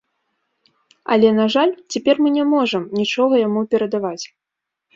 Але, на жаль, цяпер мы не можам нічога яму перадаваць.